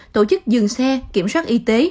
tổ chức dừng xe kiểm soát y tế